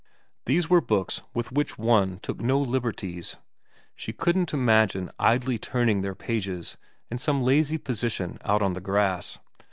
These were books with which one took no liberties. She couldn't imagine idly turning their pages in some lazy position out on the grass.